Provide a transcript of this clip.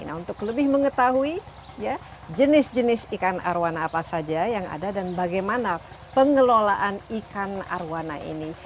nah untuk lebih mengetahui jenis jenis ikan arowana apa saja yang ada dan bagaimana pengelolaan ikan arowana ini